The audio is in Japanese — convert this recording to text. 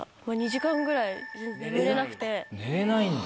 寝れないんだ。